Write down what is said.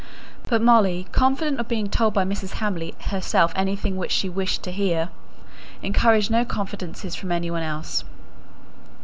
But Molly, confident of being told by Mrs. Hamley herself anything which she wished her to hear, encouraged no confidences from any one else.